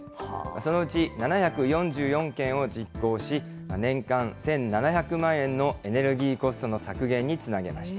そのうち７４４件を実行し、年間１７００万円のエネルギーコストの削減につなげました。